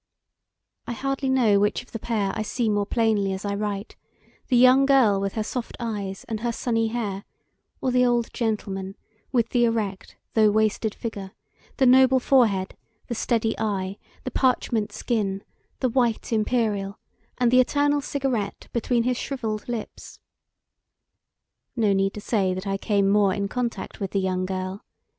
I hardly know which of the pair I see more plainly as I write the young girl with her soft eyes and her sunny hair, or the old gentleman with the erect though wasted figure, the noble forehead, the steady eye, the parchment skin, the white imperial, and the eternal cigarette between his shrivelled lips. No need to say that I came more in contact with the young girl.